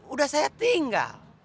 udah saya tinggal